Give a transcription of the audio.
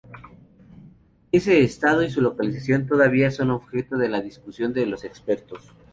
Ese estado y su localización todavía son objeto de la discusión de los expertos.